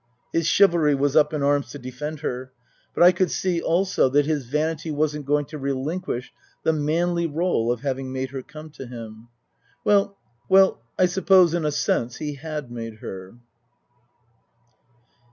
" His chivalry was up in arms to defend her. But I could see also that his vanity wasn't going to relinquish the manly role of having made her come to him. Well, I suppose in a sense he had made her.